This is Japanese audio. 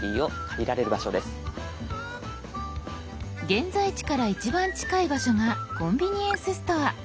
現在地から一番近い場所がコンビニエンスストア。